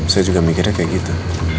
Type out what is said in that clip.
saya juga mikirnya kayak gitu